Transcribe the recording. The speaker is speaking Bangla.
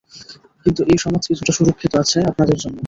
কিন্তু এই সমাজ কিছুটা সুরক্ষিত আছে, আপনাদের জন্য।